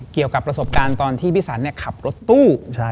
เกี่ยวกับประสบการณ์ตอนที่พี่สันขับรถตู้